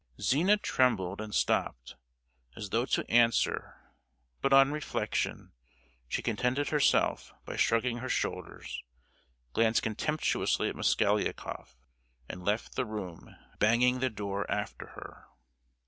Zina trembled and stopped, as though to answer; but on reflection, she contented herself by shrugging her shoulders; glanced contemptuously at Mosgliakoff, and left the room, banging the door after her.